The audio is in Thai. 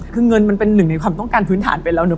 คือเงินมันเป็นหนึ่งในความต้องการพื้นฐานไปแล้วเนอ